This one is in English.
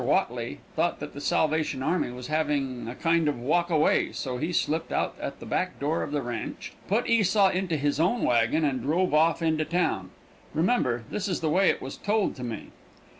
Whatley thought that the Salvation army was having a kind of walk away, so he slipped out at the back door of the ranch, put Esau into his own wagon and drove off to town. Remember, this is the way it was told to me.